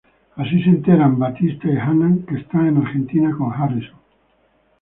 Así se enteran Batista y Hannah, que está en Argentina con Harrison.